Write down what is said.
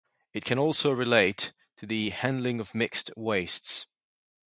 It can also relate to the handling of mixed wastes.